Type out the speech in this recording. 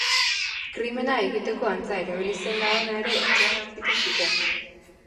Krimena egiteko antza erabili zen labana ere etxean aurkitu zuten.